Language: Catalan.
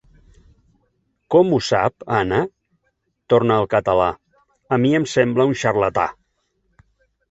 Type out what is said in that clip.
Com ho sap, Anna? —torna al català— A mi em sembla un xarlatà.